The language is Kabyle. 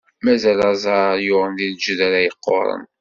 Mazal aẓar yuɣen di lǧedra yeqquṛen.